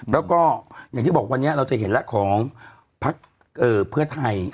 แล้วก็อย่างที่บอกวันนี้เราจะเห็นแล้วของพักเพื่อไทย